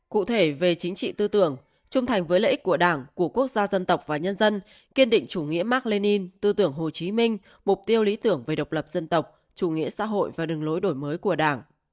cụ thể về chính trị tư tưởng trung thành với lợi ích của đảng của quốc gia dân tộc và nhân dân kiên định chủ nghĩa mark lenin tư tưởng hồ chí minh mục tiêu lý tưởng về độc lập dân tộc chủ nghĩa xã hội và đường lối đổi mới của đảng